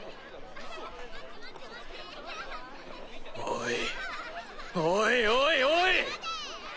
おいおいおいおい！